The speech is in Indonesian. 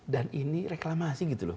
dan ini reklamasi gitu loh